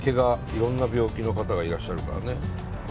いろんな病気の方がいらっしゃるからね。